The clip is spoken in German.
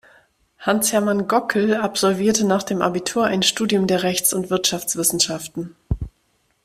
Hans-Hermann Gockel absolvierte nach dem Abitur ein Studium der Rechts- und Wirtschaftswissenschaften.